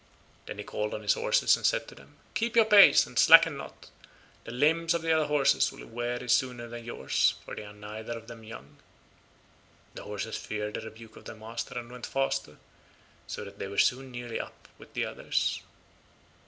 Then he called on his horses and said to them, "Keep your pace, and slacken not; the limbs of the other horses will weary sooner than yours, for they are neither of them young." The horses feared the rebuke of their master, and went faster, so that they were soon nearly up with the others.